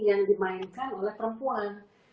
yang dimainkan oleh perempuan